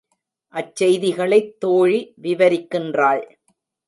அச்செய்திகளைத் தோழி விவரிக்கின்றாள்.